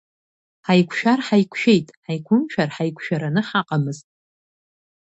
Ҳаиқәшәар ҳаиқәшәеит, ҳаиқәымшәар ҳаиқәшәараны ҳаҟамызт.